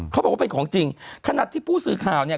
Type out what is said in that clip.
เขาบอกว่าเป็นของจริงขนาดที่ผู้สื่อข่าวเนี่ย